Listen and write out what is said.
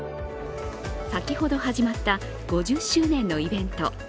先ほど始まった５０周年のイベント。